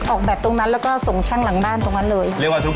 ออกแบบตรงนั้นแล้วก็ส่งช่างหลังบ้านตรงนั้นเลยเรียกว่าทุก